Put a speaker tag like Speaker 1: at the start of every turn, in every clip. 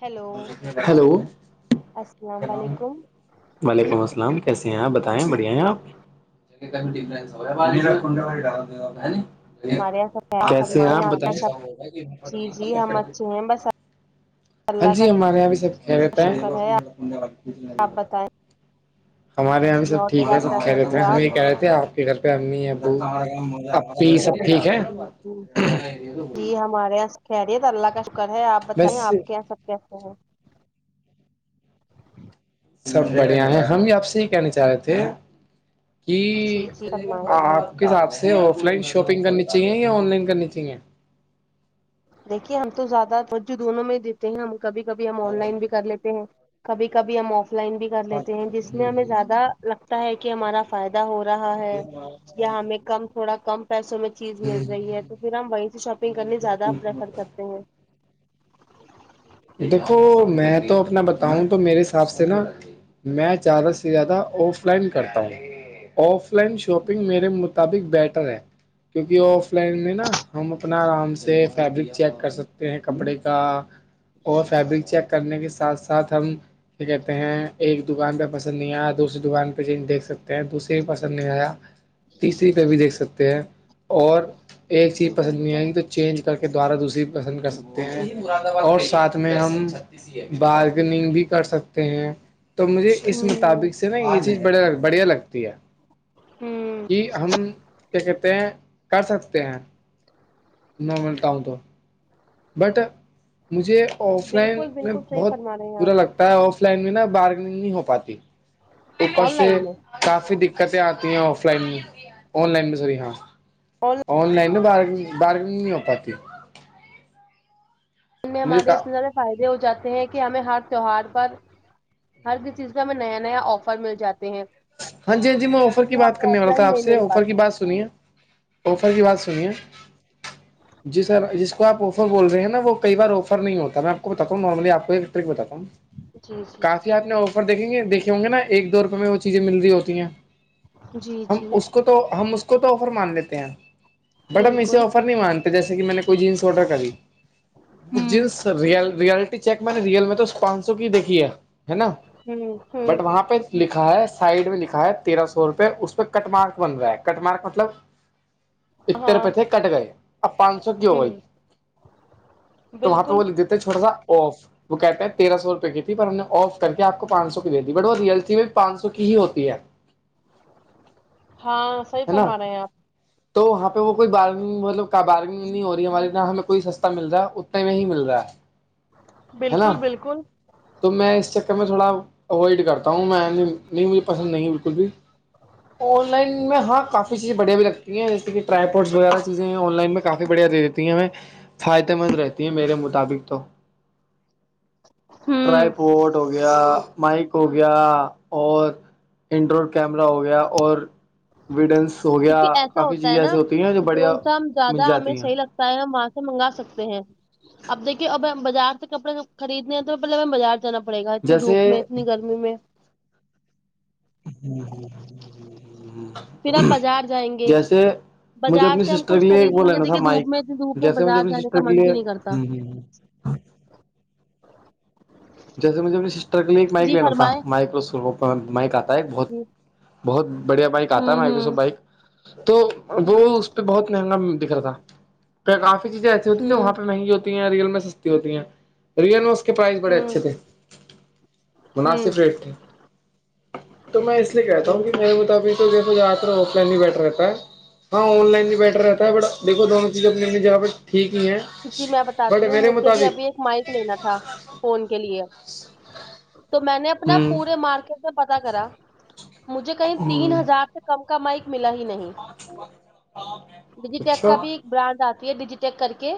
Speaker 1: Hello
Speaker 2: hello
Speaker 1: السلام وعلیکم
Speaker 2: وعلیکم السلام کیسے ہیں آپ بتائیں بڑھیا ہیں آپ ک ڈفرنس ہو کن ڈال ہے ن
Speaker 1: ہمارے یہاں سب آپ
Speaker 2: کیسے ہیں
Speaker 1: فرمائیں
Speaker 2: آپ
Speaker 1: کے
Speaker 2: بتائیں
Speaker 1: یہاں سب جی جی ہم اچھے ہیں بس
Speaker 2: ہاں
Speaker 1: اللہ
Speaker 2: جی
Speaker 1: کا
Speaker 2: ہمارے یہاں بھی سب کہہ رہتے ہیں
Speaker 1: شکر ہے آپ بتائیں
Speaker 2: ہمارے یہاں بھی
Speaker 1: جی
Speaker 2: سب
Speaker 1: اور
Speaker 2: ٹھیک
Speaker 1: کیا
Speaker 2: ہے سب
Speaker 1: کر
Speaker 2: کہہ
Speaker 1: رہے
Speaker 2: رہےتے
Speaker 1: تھے
Speaker 2: ہیں ہم
Speaker 1: آپ
Speaker 2: یہ کہہ رہے تھے آپ گھر پہ امی ابو پپی سب ٹھیک ہے
Speaker 1: جی ج جی ہمارے یہاں خیری ہے تو اللہ کا شکر ہے آپ
Speaker 2: بس
Speaker 1: بتائیں آپ کے یہاں سب کیسے ہیں
Speaker 2: سب بڑھیا ہے ہم بھی آپ سے یہ کہنا چاہ رہے تھے کہ
Speaker 1: جی جی فرمائیں
Speaker 2: آپ کے حساب سے آف لائن شاپنگ کرنی چاہیے یا آن لائن کرنی چاہیے
Speaker 1: دیکھیے ہم تو زیادہ جو دونوں میں ہی دیتے ہیں ہم کبھی کبھی ہم آن لائن بھی کر لیتے ہیں کبھی کبھی ہم آف لائن بھی کر لیتے ہیں جس میں ہمیں
Speaker 2: چاہیے
Speaker 1: زیادہ لگتا ہے کہ ہمارا فائدہ ہو رہا ہے ہمیں کم تھوڑا کم پیسوں میں چیز مل رہی ہے تو پھر ہم وہیں سے شاپ سپنگ کرنی زیادہ پریفر کرتے ہیں
Speaker 2: دیکھو میں تو اپنا بتاؤں تو میرے حساب سے نا میں زدہ سے زیادہ آف لائن کرتا ہوں آف لائن شاپنگ میرے م [unintelligible] مطبق بیٹر ہے کیونکہ آف لائن میں نا ہم اپنا آرام سے فیبرک چیک کر سکتے ہیں کپڑے کا اور فیبرک چیک کرنے کے ساتھ ساتھ ہم کیا کہتے ہیں ایک دکان پہ پسند نہیں آیا دوسری دکان پہ ج دیکھ سکتے ہیں دوسری بھی پسند نہیں آیا [unintelligible] تیسری پہ بھی دیکھ سکتے ہیں اور ایک چیز
Speaker 1: بالکل
Speaker 2: پسند نہیں آئے
Speaker 1: ہوں
Speaker 2: گ تو چینج کر کے دوارہ دوسری پسند کر سکتے ہیں اور ساتھ میں ہم بارگننگ بھی کر سکتے ہیں تو مجھے اس مطابق
Speaker 1: ہوں
Speaker 2: سے نا یہ چیز بڑ بڑھیا لگتی ہے کہ ہم کیا کہتے ہیں کر سکتے ہیں نارمل ٹاؤن تو بٹ مجھے آف لائن
Speaker 1: بالکل
Speaker 2: میں
Speaker 1: بالکل صحیح
Speaker 2: بہت
Speaker 1: فرما رہے ہیں آپ
Speaker 2: برا لگتا ہے آف لائن میں نا بارگننگ نہیں ہو پاتی اوپر
Speaker 1: آن
Speaker 2: سے
Speaker 1: لائن میں آن
Speaker 2: کافی دقتیں آتی ہیں آف لائن میں آن لائن میں سوری ہاں آن لائن بار بارگگ نہیں ہو پاتی [unintelligible]
Speaker 1: ان میں
Speaker 2: مجھے
Speaker 1: ہمارے
Speaker 2: کہا
Speaker 1: اتنے زیادہ فائدے ہو جاتے ہیں کہ ہمیں ہر تہوار پر ہر ک چیز پہ ہمیں نیا نیا آفر مل جاتے ہیں
Speaker 2: ہاں جی ہاں جی میں آفر
Speaker 1: جو
Speaker 2: کی
Speaker 1: ہمیں
Speaker 2: بات کرنے
Speaker 1: آف
Speaker 2: والا
Speaker 1: لائن
Speaker 2: تھا آپ
Speaker 1: نہیں
Speaker 2: سے
Speaker 1: مل
Speaker 2: آفر کی
Speaker 1: پاتی
Speaker 2: بات سنیے آفر کی
Speaker 1: جی
Speaker 2: بات سنیے جی سر جس کو آپ آفر بول رہے نا وہ کئی بار آفر ہوتا ہے میں آپ کو بتا ہوں نارملی آپ کو ایکٹر میں بتا ہوں
Speaker 1: جی جی
Speaker 2: کافی آپ نے آفر دیکھیں گے دیکھے ہوں گے نا ایک دو روپئے میں ہو چیزیں مل رہی ہوتی ہیں
Speaker 1: جی
Speaker 2: ہم
Speaker 1: جی
Speaker 2: اس کو تو ہم اس کو تو آفر مان لیتے ہیں بٹ ہم اسے
Speaker 1: بالکل
Speaker 2: آفر نہیں مانتے جیسے کہ میں نے جینس آڈر کری وہ
Speaker 1: ہوں
Speaker 2: جینس ریئل ریئل چیک میں نے ریئل میں تو پانچ سو کی دیکھی ہے ہے نا
Speaker 1: ہوں ہوں
Speaker 2: بٹ وہاں پہ لکھا ہے سائڈ میں لکھا ہے تیرہ سو روپئے اس پہ کٹ مارک بن رہا ہے کٹ مارک مطلب اتے
Speaker 1: ہاں
Speaker 2: روپئے تھے کٹ گئے اب پانچ سو کی ہو گئی
Speaker 1: ہوں
Speaker 2: تو وہاں پہ
Speaker 1: بالکل
Speaker 2: وہ تو چھوٹا سا آف [unintelligible] وہ کہتے ہیں تیرہ سو روپئے کی تھی پر ہم نے آف کر کے آپ کو پانچ سو کی دے دی بٹ وہ رئلسی میں پانچ سو کی ہی ہوتی ہے
Speaker 1: ہاں صحیح
Speaker 2: ہے نا
Speaker 1: فرما رہے ہیں آپ
Speaker 2: تو وہاں پہ وہ کوئی بارگگ مطلب بارگنگ نہیں ہو رہی ہماراری یہاں ہمیں کوئی س [unintelligible] اتنا ملتا ہے اتنے میں ہی ملتا ہے ہے نا
Speaker 1: بالکل بالکل
Speaker 2: تو میں اس چکر میں تھوڑا اوائڈ کرتا ہوں میں نہیں مجھے پسند نہیں ہے بالکل بھی آن لائن میں ہاں کافی چیزیں بڑیا بھی رکھتی ہیں جیسے کہ ٹائیپورٹس وغیرہ چیزیں آن لائن میں کافی بڑھیا دے دیتی ہیں ہمیں فائدے مند رہتی ہیں میرے مطابق تو
Speaker 1: ہاں [unintelligible]
Speaker 2: ٹرائیپورٹ ہو گیا مائک ہو گیا اور [unintelligible] انڈرائڈ کیمرا ہو گیا اور ویڈینس ہو گیا
Speaker 1: کیونکہ ایسا
Speaker 2: کافی
Speaker 1: ہوتا ہے
Speaker 2: چیزیں
Speaker 1: نا
Speaker 2: ایسیے ہوتی ہیں جو بڑھیا مل جاتی ہیں
Speaker 1: چ ہے وہاں سے منگا سکتے ہیں [unintelligible] اب دیکھیے اب بازار سے کپڑے خریدنے ہیں تو پہلے بازار سے جانا پڑے گا اتنی دھوپ
Speaker 2: جیسے
Speaker 1: میں اتنی گرمی میں
Speaker 2: [unintelligible]
Speaker 1: پھر ہم بازار جائیں گے
Speaker 2: جیسے مجھے
Speaker 1: بازار
Speaker 2: اپنی
Speaker 1: سے ہم
Speaker 2: سسٹر کے
Speaker 1: کچھ
Speaker 2: لیے ایک وہ
Speaker 1: خریدیں گے
Speaker 2: لینا تھا
Speaker 1: دیکھیے دھوپ
Speaker 2: مائک
Speaker 1: میں دھوپ میں
Speaker 2: جیسے مجھے
Speaker 1: بازار جانے کا من بھی نہیں کرتا
Speaker 2: ہاں [inaudible]
Speaker 1: [inaudible]
Speaker 2: جیسے مجھے اپنے سسٹر کے لیے ایک مائک
Speaker 1: جی
Speaker 2: لینا تھا
Speaker 1: فرمائے
Speaker 2: مائک مائک کا تھا بہت بہت بڑھیا بائک آتا ہے
Speaker 1: ہوں
Speaker 2: میں ایک سو
Speaker 1: ہوں
Speaker 2: بائک تو وہ اس پہ بہت مہنگا دکھ رہا تھا پ کافی چیزیں ایسی ہوتی ہیں جو وہاں
Speaker 1: ہوں
Speaker 2: پہ مہنی ہوتی ہیں ریل میں سستی ہوتی ہیں ریل میںو اس کے پرائس بڑے اچھے تھ
Speaker 1: ہوں ہوں
Speaker 2: مناسب ریٹ تھے تو میں اس لیے کہتا
Speaker 1: جی
Speaker 2: ہوں کہ میرے متاب تو جیسے ہے وہ پلین ہی بیٹر رہتا ہے ہاں آن لائن بھی بیٹر رہتا ہے بٹ دیکھو دونوں چیزیں اپنے اپنے جگاں پہ ٹھیک ہی ہیں
Speaker 1: جی میں بتاتی
Speaker 2: بٹ
Speaker 1: ہوں
Speaker 2: میرے
Speaker 1: مجھے بھی
Speaker 2: مطابق
Speaker 1: ابھی ایک مائک لینا تھا فون کے لیے تو میں نے اپنا
Speaker 2: ہ
Speaker 1: پورے مارکیٹ سے پتا کرا مجھے کہیں تین ہزار کم کامائک ملا ہی نہیں
Speaker 2: اوچھو
Speaker 1: ڈیجیٹیک کا
Speaker 2: [inaudible]
Speaker 1: بھی ایک برانڈ آتی ہے ڈیجیٹیک کر کے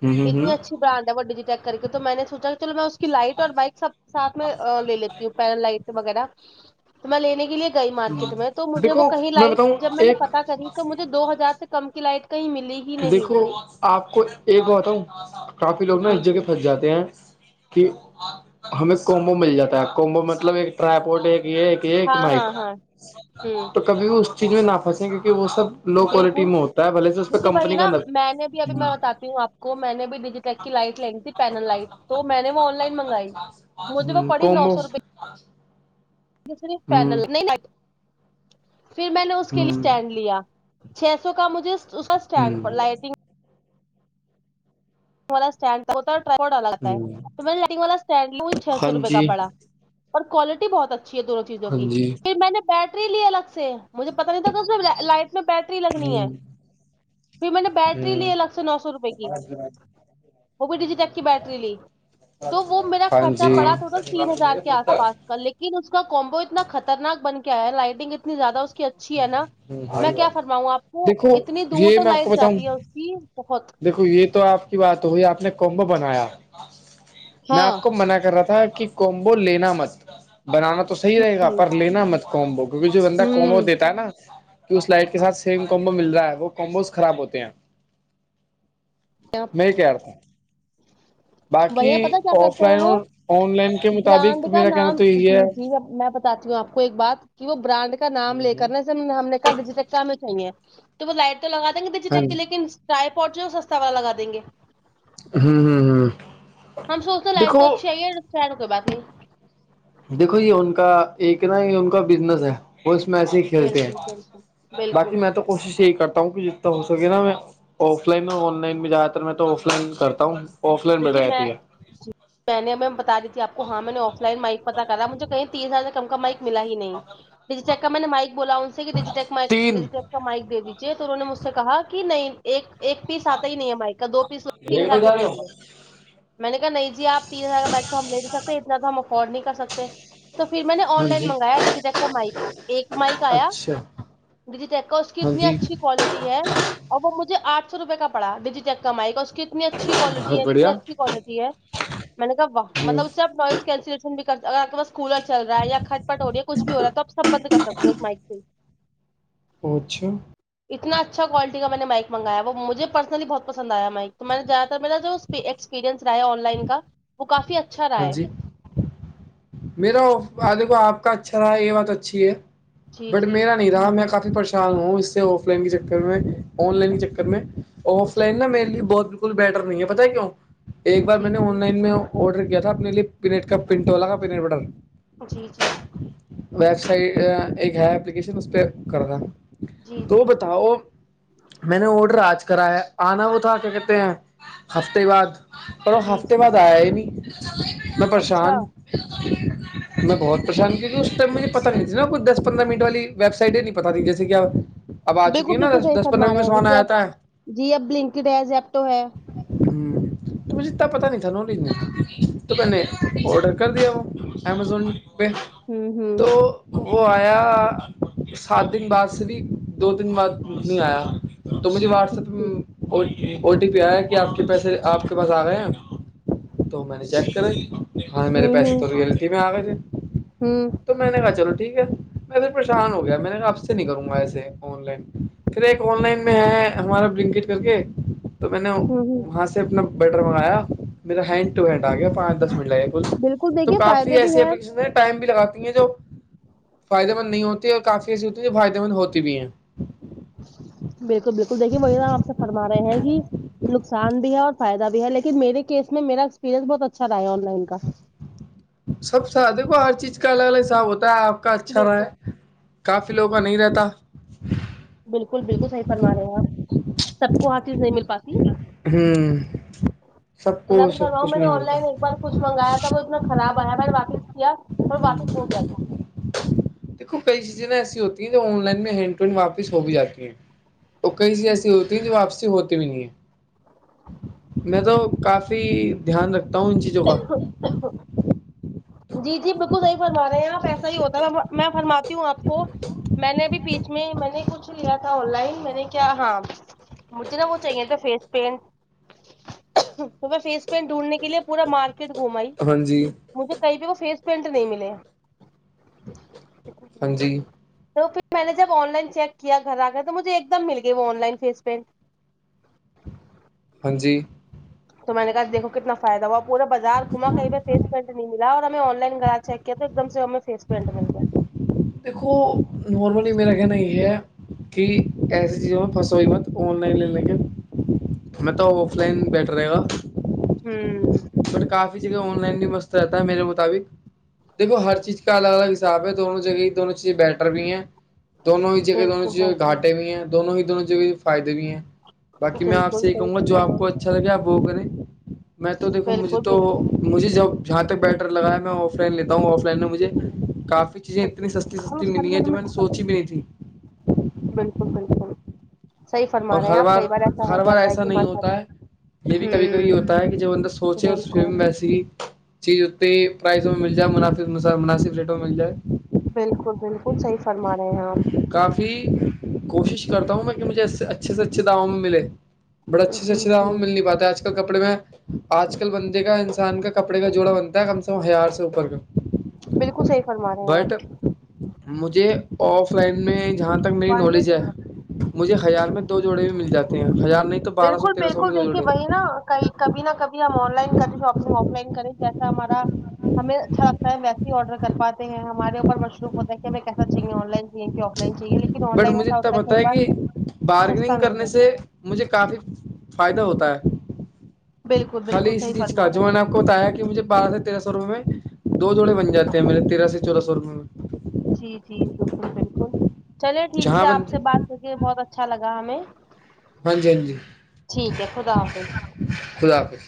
Speaker 2: م [inaudible]
Speaker 1: اتنی اچھی برانڈ ہے وہ ڈیجی یک کر کے تو میں نے سوچا کہ چلو میں اس کی لائٹ اور بائک سب سھ میں لے لی ہ ب پین لائٹ وغیرہ تو میں لینے کے لیے گئی مارکیٹ میں تو مجھے وہ
Speaker 2: دیکھو
Speaker 1: کہیں
Speaker 2: میں
Speaker 1: لائٹ
Speaker 2: بتاؤں
Speaker 1: جب میں نے
Speaker 2: ایک
Speaker 1: پتاہ کری ت تو مجھے دو ہزار سے کم کی لائٹ کہیں ملی ہی نہیں
Speaker 2: دیکھو آپ کو ایک بتا ہوں کافی لوگ نا
Speaker 1: جی
Speaker 2: اس جگہ
Speaker 1: جی
Speaker 2: پھنس جاتے ہیں کہ ہمیں کومبو مل جاتا ہے کومبو مطلب ایک ٹرائیپورٹ ایک یہ ایک ایک
Speaker 1: ہاں
Speaker 2: مائک
Speaker 1: ہاں ہاں ہوں
Speaker 2: تو کبھی اس چیز میں نہا پنسے کیکہ وہ سب لو کوالٹی
Speaker 1: بالکل
Speaker 2: میں ہوتا ہے بلے سے اس پہ
Speaker 1: بھائی
Speaker 2: کمپنی
Speaker 1: نا
Speaker 2: کا ہ
Speaker 1: میں نے بھی اب میں بتاتی ہوں آ کو میں نے بھی ڈیجی ٹک کی لائٹ لین گی تھی پینل لائٹ تو میں نے وہ آن لائن منگائی مجھے وہ پڑی نو
Speaker 2: کومبو
Speaker 1: سو روپے
Speaker 2: ہ
Speaker 1: پینل پھر میں نے اس
Speaker 2: ہ
Speaker 1: کے لیے
Speaker 2: ہ
Speaker 1: اسٹینڈ لیا [inaudible] چھ سو کا مجھے اس کا اسٹینڈ پر لائٹنگ ینڈ ہو لگتا ہے
Speaker 2: ہ
Speaker 1: تو میں والاڈ چھ
Speaker 2: ہاں
Speaker 1: سو روپے کا
Speaker 2: جی
Speaker 1: پڑا اور کوالٹی بہت اچھی ہے دونوں چیزوں
Speaker 2: ہاں
Speaker 1: کی
Speaker 2: جی
Speaker 1: پھر میں نے بیٹری لی الگ سے مجھے پتا نہیں تھا کہ لائٹ میں بیٹری
Speaker 2: ہ
Speaker 1: لگنی ہے پھر میں نے بیٹری لی الگ سے نو سو روپے کی
Speaker 2: اچچ [inaudible]
Speaker 1: وہ بھی ڈی جیٹک کی بیٹری لی تو وہ میرا
Speaker 2: ہاں
Speaker 1: خرچہ
Speaker 2: جی
Speaker 1: پڑا ٹوٹل تین ہزار کے آس پاس لیکن اس کا کومبو اتنا خطرناک بن کے آیا لائٹنگ اتنی زیادہ اس اچھی ہے نا میں کیا فرماؤں آپ کو
Speaker 2: دیکھو
Speaker 1: اتنی دور
Speaker 2: یہ
Speaker 1: تو
Speaker 2: میں آپ کو
Speaker 1: لائٹ
Speaker 2: بتاؤں
Speaker 1: جاتی ہے اس کی بہت
Speaker 2: دیکھو یہ تو آپ کی بات ہوئی آپ نے کومب بنایا میں
Speaker 1: ہاں
Speaker 2: آپ کو منع کر رہا تھا کہ کومبو لینا مت بنانا تو صحی رہے گا
Speaker 1: ہوں
Speaker 2: لینا مت کووم کیونکہ جو بندہ کوم
Speaker 1: ہوں
Speaker 2: دینا نا کہ اس لائٹ کے ساتھ سیم کومبو مل رہا ہے وہ کمبوز خراب ہوتے ہیں [inaudible]
Speaker 1: آپ [inaudible]
Speaker 2: میں کیا رہتا ہوں [inaudible]
Speaker 1: وہیا پتا کیا
Speaker 2: آف
Speaker 1: کرتے ہیں
Speaker 2: لائن
Speaker 1: وہ
Speaker 2: اور آن لائن کے
Speaker 1: برانڈ
Speaker 2: مطابق
Speaker 1: کا
Speaker 2: میرا کہنا
Speaker 1: نام
Speaker 2: تو یہی ہے
Speaker 1: جی جی میں بتاتی ہوں آ کو ایک بات کہ وہ برانڈ کا نام
Speaker 2: ہوں
Speaker 1: لے کر
Speaker 2: ہوں
Speaker 1: نا ہم نے کہا ڈجی چکا ہمیں چاہیے تو وہ لائٹ تو لگا دیں گے ڈجی
Speaker 2: ہاں
Speaker 1: چکی
Speaker 2: جی
Speaker 1: لیکن ٹائی پوڈٹ جو سستا والا لگا دیں گے
Speaker 2: ہاں ہاں ہاں
Speaker 1: ہم سوچتے ہیں لائٹ تو اچھی آئی ہے ہے نا کوئی بات نہیں
Speaker 2: دیکھو یہ ان کا ایک نا یہ ان کا بزنس ہے میں سےے ہی کھیلتے
Speaker 1: بالکل بالکل
Speaker 2: ہیں باقی
Speaker 1: بالکل
Speaker 2: میں تو کوشش یہی کرتا ہوں کہ جتنا ہو سکے نا میں آف لائن اور آن لائن میں جہد تر میں تو آف لائن کرتا آف لائن میں رہتی ہے
Speaker 1: جی میں نے بتا دی تھی آپ کو ہاں میں نے آف لائن مائک پتا کرا مجھے کہیں ت ہزار کم کا مائک ملا ہی نہیں ڈیجیٹیک کا میں نے مائک بولا ان سے کہ ڈیجیٹیک مائک
Speaker 2: تین
Speaker 1: ڈجیٹک مائک دے دیجے تو انہوں نے مجھ سے کہا کہ نہیں ایک ایک پیس آتا ہی نہیں ہے مائک کا دو پیس ت ہزار کے پڑیں گے میں نے کہا نہیں جی آپ تین ہزار کا بائک تو ہم لے نہیں سکتے اتنا تو ہم افورڈ نہیں کر سکتے تو پھر میں نے
Speaker 2: ہاں
Speaker 1: آن لائن
Speaker 2: جی
Speaker 1: منگایا ڈیجیٹیک کا مائک ایک مائک آیا
Speaker 2: اچھا
Speaker 1: ڈجی یک کا اس کی
Speaker 2: ہاں
Speaker 1: اتنی
Speaker 2: جی
Speaker 1: اچھی کوالٹی ہے اور وہ مجے آٹ سو روپئے کا پڑا ڈجی ٹیک کا مائک اس کی اتنی اچھی کوالٹی
Speaker 2: بہت
Speaker 1: ہے اتنی
Speaker 2: بڑھیا
Speaker 1: اچھی کوالٹی ہے میں نے کہ
Speaker 2: ہوں
Speaker 1: مطلب اس سے آپ نوائز کینسشن بھی کرس کولر چل رہا ہے یا کھٹ پٹ ہو رہی ہے کچھ بھی ہو رہا ہے توپ سب بند کر سکتے ہو اس مائک سے
Speaker 2: پچھ
Speaker 1: اتنا اچھا کوالٹی کا میں نے مائ منگایا وہ مجھ پرسلی بہت پسند آیا مائک تو میں نے جا میرا جو ایکسپیریئنس رہا ہے آن لائن کا وہ کافی اچھا رہا
Speaker 2: ہاں
Speaker 1: ہے
Speaker 2: جی میرا د آپ کا اچھا رہا یہ بات اچھی ہے
Speaker 1: جی
Speaker 2: بٹ
Speaker 1: جی
Speaker 2: میرا نہیں رہا میں کافی پریشان ہوں اس سے آف لائن کے چکر میں آن لائن کے چکر میں آف لائن
Speaker 1: جی
Speaker 2: نا میرے لیے بہت بالکل بیٹر نہیں ہے پتہ ہے کیوں ایک بار میں
Speaker 1: جی جی
Speaker 2: نے
Speaker 1: جی
Speaker 2: آن لائن میں آڈر کیا تھا اپنے لیے پینیٹ کا پنٹولا کا پینیٹ بٹر
Speaker 1: جی جی
Speaker 2: ویب سائٹ ایک ہے اپلیکیشن اس پہ کر رہا
Speaker 1: جی
Speaker 2: تو
Speaker 1: جی
Speaker 2: بتاؤ میں نے آڈر آج کرا ہے آنا وہ تھا کیا کہتے ہیں ہفتے بعد پر وہ
Speaker 1: جی
Speaker 2: ہفتے
Speaker 1: جی
Speaker 2: بعد آیا نہیں میں
Speaker 1: اچھا
Speaker 2: پریشان میں بہت پریشان کی تھی اس ٹائم مجے پت نہیں تھی نا کچھ دس پندر منٹ والی ویب سائٹ ہے نہیں پتا تھی جیے کیا
Speaker 1: بالکل بالکل صحیح فرما رہے ہیں جیسے اب
Speaker 2: جاتا ہے
Speaker 1: جی اب بنکڈ ہے زیپٹو ہے
Speaker 2: ہ تو مجھے اتنا پتا نہیں تھا ن تو میں نے آڈر کر دیا وہ امیزون پہ
Speaker 1: ہوں ہوں
Speaker 2: تو وہ آیا سات دن بعد سے بھی دو دن بعد نہیں آیا تو مجھے واٹس ایپ پہ او ٹی پی آیا کہ آپ کے پیسے آپ کے پاس آ گئے ہیں تو میں نے چیک کرا ہاں میرے
Speaker 1: ہوں
Speaker 2: پیسے
Speaker 1: ہوں
Speaker 2: تو ریلٹی میں آ گئے تھے
Speaker 1: ہوں
Speaker 2: تو میں نے کہا چلو ٹھیک ہے میں پھر پریشان ہو گیا میں نے کہا آپ سے نہیں کروں گا ایسے آن لائن پھر ایک آن لائن میں ہے ہمارا بلنکٹ کر کے تو میں نے
Speaker 1: ہوں ہوں۔
Speaker 2: وہاں سے اپنا بیٹر منگایا میرا ہینڈ ٹو ہینڈ آ گیا پانچ دس منٹ لگے گا کل
Speaker 1: بالکل
Speaker 2: تو
Speaker 1: دیکھیے
Speaker 2: کافی
Speaker 1: فائدے بھی
Speaker 2: ایسی اپلیکشن ہیں ٹائم بھی لگاتی ہیں جو فائدے مند نہیں ہوتی اور کافی ایسی ہوتی ہے جو فائدے مند ہوتی بھی ہیں
Speaker 1: بالکل بالکل دیکھیے وہے ن آپ سے فرما رہے ہیں کہ نقصان بھی ہے اور فائدہ بھی ہے لیکن میرے کیس میں میرا ایکسپییرئنس بہت اچھا آن لائن کا
Speaker 2: سب س د کو ہر چیز کا الگ الگ صب ہوتا ہے آپ کا اچھا رہا
Speaker 1: بالکل
Speaker 2: ہے کافی لوگوں کا نہیں رہتا
Speaker 1: بالکل بالکل صحیح فرما رہے ہیں آپ سب کو ہر چیز نہیں مل پاتی
Speaker 2: ہوں سب
Speaker 1: میں
Speaker 2: کو سب
Speaker 1: رہا
Speaker 2: کچھ
Speaker 1: میں نے
Speaker 2: نہیں
Speaker 1: آن
Speaker 2: ملتا
Speaker 1: لائن ایک بار کچھ منگایا تھا وہ اتنا خراب آیا میں نے واپس کیا اور واپس ہو گیا تھا
Speaker 2: دیکو کئی چیزیں نہ ایسی ہوتی ہیں جو آن لائن میں ہینڈ ٹو ہینڈ واپس ہو بھی جاتی ہیں اور کئی چیزیں ایسی ت واپسی ہوتی بھی نہیں ہے میں تو کافی دھیان رکھتا ہوں ان چیزوں کا
Speaker 1: جی جی بالکل نہیں فرما رہے ہیں آپ ایسا ہی ہوتا ہے میں فرماتی ہوں آپ کو میں نے ابھی پیچ میں ہی میں نے کچھ لیا تھا آن لائن میں نے کیا ہاں مجھے نا وہ چاہیے تھا فیس پینٹ تو میں فیس پینٹ ڈھونڈنے کے لیے پورا مارکیٹ گھمائی
Speaker 2: ہاں جی
Speaker 1: کہیں پہ وہ فیس پینٹ نہیں ملے
Speaker 2: ہاں جی
Speaker 1: تو پھر میں نے جب آن لائن چیک کیا گھر آ کر تو مجھے ایک دم مل گئی وہ آن لائن فیس پینٹ
Speaker 2: ہاں جی
Speaker 1: تو میں نے کہا دیکھو کتنا فائدہ ہوا پورا بازار گھما کہیں پہ فیس کر نہیں ملا اور ہمیں آن لائن گا چیک کیا تو ایک دم سے ہمیں فیس پینٹ مل گیا
Speaker 2: دیکھو نارملی میرا کہنا یہ ہے کہ ایسی چیزوں میں پسوئی مت آن لائن لے لے کے میںتا آف لائن بیٹ رہے گا
Speaker 1: ہوں
Speaker 2: ب کافی چیزیں آن لائن بھی مست رہتا ہے میرے مطابق دیکو ہر چیز کا الگ الگ حساب ہے دونوں جگہ دونوں چیزیں بیٹر بھی ہیں دونوں ہی جگہ دونوں
Speaker 1: بالکل
Speaker 2: جگہ
Speaker 1: بالکل
Speaker 2: گھاٹے بھی ہیں دونوں ہی دونوں جگہ فائدے بھی ہیں باقی میں آپ
Speaker 1: بالکل
Speaker 2: سے یہ
Speaker 1: صحیح
Speaker 2: کہوں گا جو
Speaker 1: فرما
Speaker 2: آپ
Speaker 1: رہے
Speaker 2: کو
Speaker 1: ہیں
Speaker 2: اچھا لگے آپ وہ کریں میں تو دھو مجھے
Speaker 1: بالکل
Speaker 2: تو
Speaker 1: بالکل
Speaker 2: مجھے جہاں تک بیٹر لگایا میں آف لائن لیتا ہوں آف لائن میں مجھے کافی چیزیں اتنی سستی
Speaker 1: کھانا
Speaker 2: سستی
Speaker 1: ساری
Speaker 2: ملی ہیں
Speaker 1: مزے
Speaker 2: جو میں نے
Speaker 1: میٹھا کھاتا
Speaker 2: سوچی
Speaker 1: ہے
Speaker 2: بھی نہیں تھی
Speaker 1: بالکل بالکل صحیح فرما
Speaker 2: اور
Speaker 1: رہے ہیں
Speaker 2: ہر
Speaker 1: آپ
Speaker 2: بار
Speaker 1: کئی ایسا ہو
Speaker 2: ہر بار
Speaker 1: جاتا ہے
Speaker 2: ایسا
Speaker 1: کہ
Speaker 2: نہیں
Speaker 1: ہمارے ساتھ
Speaker 2: ہوتا ہے یہ بھی کبھی کبھی
Speaker 1: ہوں
Speaker 2: ہوتا ہے کہ جب بندہ سوچے اوری
Speaker 1: بالکل
Speaker 2: ویسے ہی چیز اتنی پرائزوں میں مل جائے م مناسب ریٹوں میں مل جائے
Speaker 1: بالکل بالکل صحیح فرما رہے ہیں آپ
Speaker 2: کافی کوشش کرتا ہوں میں کہ مجھے اس سے اچھے سے اچھے دعووں میں ملے بڑے اچھے
Speaker 1: جی
Speaker 2: سےچھا
Speaker 1: جی
Speaker 2: مل نہیں پات ہے آ ل کپڑے میں آج کل بندے کا انسان کا کپڑے کا جوڑا بنتا ہے کم سے کم ہزار سے اوپر کا
Speaker 1: بالکل صحیح فرما رہے ہیں آپ
Speaker 2: بٹ مجھے آف لائن میں جہاں تک میری
Speaker 1: باننا
Speaker 2: نالج ہے
Speaker 1: چاہیے آپ
Speaker 2: مجھے ہزار میں
Speaker 1: جی
Speaker 2: دو جوڑے بھی مل جاتے ہیں ہزار نہیں تو بارہ سو
Speaker 1: بالکل
Speaker 2: تیرہ سو
Speaker 1: بالکل
Speaker 2: میں دو
Speaker 1: دیکھیے
Speaker 2: جوڑے
Speaker 1: وہی نا کئی کبھی نہ کبھی ہم آن لائن کریں شاپنگ آف لائن کریں جیسا ہمارا ہمیں اچھا لگتا ہے ویسے آڈراتے ہیں ہمارے اوپر مشرو ہوتا ہے کہ ہمیں کیسااہےنائناہے کہ آ نہیں چاہیے لیکن آن
Speaker 2: بٹ
Speaker 1: لائن
Speaker 2: مجھے
Speaker 1: ایسا
Speaker 2: اتنا
Speaker 1: ہوتا
Speaker 2: پتا
Speaker 1: کئی
Speaker 2: ہے
Speaker 1: بار
Speaker 2: کہ
Speaker 1: سستا
Speaker 2: بارگننگ
Speaker 1: مل
Speaker 2: کرنے
Speaker 1: جاتا
Speaker 2: سے
Speaker 1: ہے
Speaker 2: مجھے کافی فائدہ ہوتا ہے
Speaker 1: بالکل
Speaker 2: خالی
Speaker 1: بالکل
Speaker 2: اسی
Speaker 1: صحیح
Speaker 2: چیز کا
Speaker 1: فرما رہے
Speaker 2: جو میں
Speaker 1: ہیں
Speaker 2: نے آپ کو بتایا کہ مجھے بارہ سے تیرہ روپ میں دو جوڑے بن جاتے ہیں میرے تیرہ سے چولہہ سو روپے میں
Speaker 1: جی جی بالکل بالکل چلے ٹھیک
Speaker 2: جہاں
Speaker 1: سے
Speaker 2: بن
Speaker 1: آپ سے بات کر کے بہت اچھا لگا ہمیں
Speaker 2: ہاں جی ہاں جی
Speaker 1: ٹھیک ہے خدا حافظ
Speaker 2: خدا حافظ